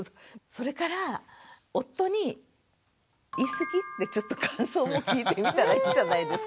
それから夫に「言い過ぎ？」ってちょっと感想を聞いてみたらいいんじゃないですか。